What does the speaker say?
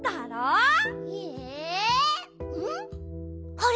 あれ？